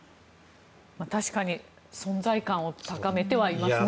確かに存在感を高めてはいますね。